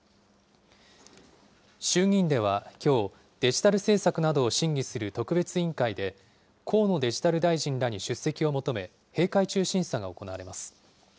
衆議院ではきょう、デジタル政策などを審議する特別委員会で、河野デジタル大臣らに出席を求め、閉会中審査が行われます。